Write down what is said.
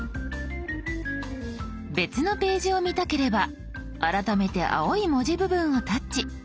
別のページを見たければ改めて青い文字部分をタッチ。